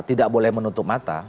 tidak boleh menutup mata